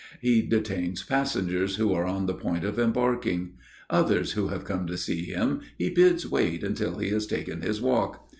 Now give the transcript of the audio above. He detains passengers who are on the point of embarking; others who have come to see him he bids wait until he has taken his walk.